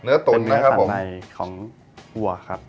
เป็นเนื้อสันในของหัวครับ